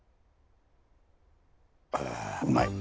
あうまい。